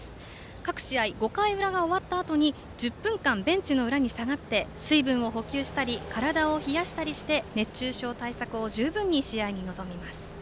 各試合５回裏が終わったあとに１０分間ベンチの裏に下がって水分を補給したり体を冷やしたりして熱中症対策を十分に試合に臨みます。